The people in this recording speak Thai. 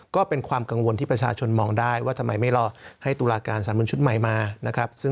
ก็เป็นความกังวลที่ประชาชนมองได้ว่าทำไมไม่รอให้ตุลาการสารบนชุดใหม่มานะครับ